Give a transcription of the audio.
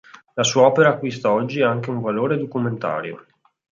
La sua opera acquista oggi anche un valore documentario.